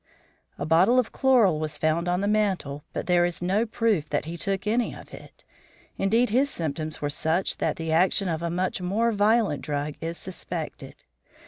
A bottle of chloral was found on the mantel but there is no proof that he took any of it. Indeed, his symptoms were such that the action of a much more violent drug is suspected.